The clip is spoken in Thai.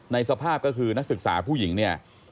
สภาพก็คือนักศึกษาผู้หญิงเนี่ย